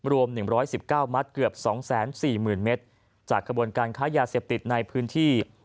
รวม๑๑๙มัตต์เกือบ๒๔๐๐๐เมตรจากกระบวนการค้ายาเสพติดในพื้นที่